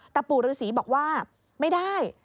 แต่ปู่ฤษีบอกว่าไม่ได้